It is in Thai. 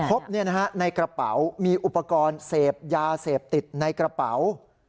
พบในกระเป๋ามีอุปกรณ์เสพยาเสพติดในกระเป๋า